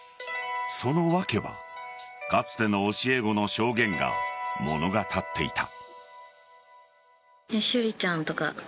その訳はかつての教え子の証言が物語っていた。